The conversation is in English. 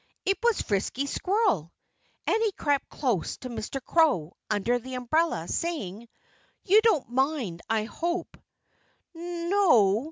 It was Frisky Squirrel. And he crept close to Mr. Crow, under the umbrella, saying: "You don't mind, I hope?" "N no!"